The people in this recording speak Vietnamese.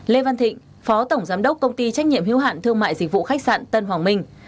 lê văn thịnh phó tổng giám đốc công ty trách nhiệm hiếu hạn thương mại dịch vụ khách sạn tân hoàng minh